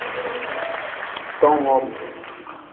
Tong hom.